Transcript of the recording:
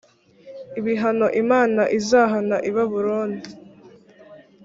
ibihano imana izahana i babuloni